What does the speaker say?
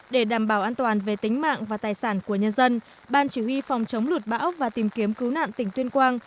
để đảm bảo an toàn về tính mạng và tài sản của nhân dân ban chỉ huy phòng chống lụt bão và tìm kiếm cứu nạn tỉnh tuyên quang